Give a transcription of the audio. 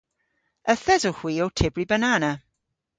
Yth esowgh hwi ow tybri banana.